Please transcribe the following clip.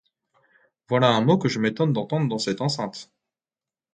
Voilà un mot que je m’étonne d’entendre dans cette enceinte!